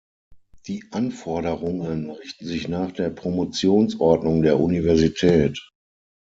Die Anforderungen richten sich nach der Promotionsordnung der Universität.